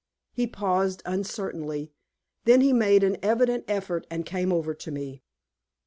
He paused uncertainly, then he made an evident effort and came over to me.